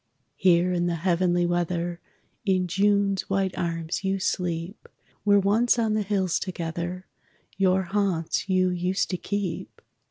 Here in the heavenly weather In June's white arms you sleep, Where once on the hills together Your haunts you used to keep.